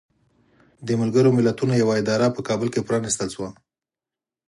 د ملګرو ملتونو یوه اداره په کابل کې پرانستل شوه.